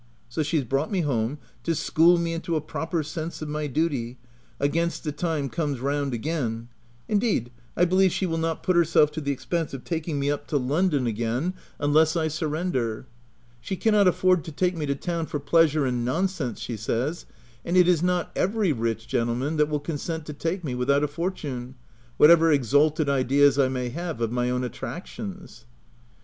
So she has brought me home, to school me into a proper sense of my duty, against the time comes round again— indeed, I believe she will not put herself to the expense of taking me up to Lon E 3 82 THE TENANT don again, unless I surrender : she cannot afford to take me to town for pleasure and nonsense, she says, and it is not every rich gentleman that will consent to take me without a fortune, whatever exalted ideas I may have of my own attractions."